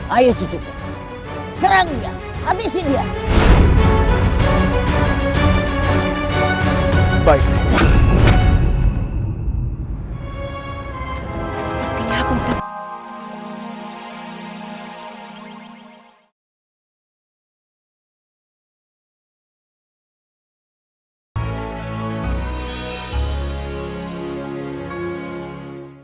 hai ayo cucu serangnya habisi dia baiknya